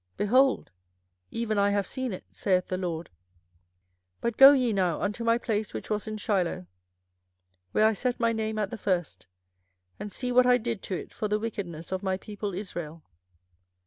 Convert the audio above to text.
Behold, even I have seen it, saith the LORD. 24:007:012 But go ye now unto my place which was in Shiloh, where I set my name at the first, and see what I did to it for the wickedness of my people Israel.